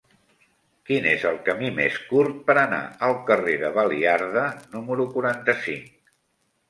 Quin és el camí més curt per anar al carrer de Baliarda número quaranta-cinc?